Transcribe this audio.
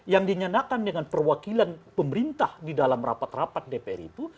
yang dinyanakan dengan perwakilan pemerintah di dalam rapat rapat dpr itu